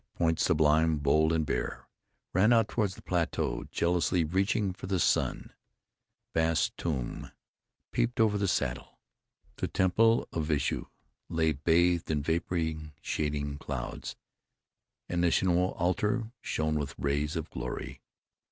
Point Sublime, bold and bare, ran out toward the plateau, jealously reaching for the sun. Bass's Tomb peeped over the Saddle. The Temple of Vishnu lay bathed in vapory shading clouds, and the Shinumo Altar shone with rays of glory.